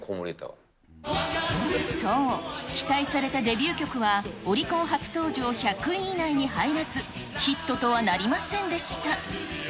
そう、期待されたデビュー曲は、オリコン初登場１００位以内に入らず、ヒットとはなりませんでした。